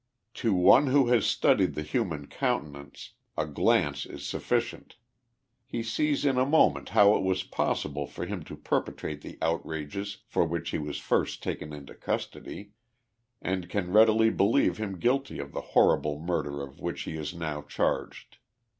To one who has Studied the human countenance, a glance is sufficient. lie sees in a moment how it was possible for him to perpetrate the outrages for which he was first taken into custody, and can readily believe him guilty of the horrible murder of which he is now charged.